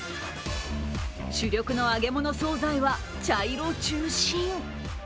主力の揚げ物総菜は茶色中心。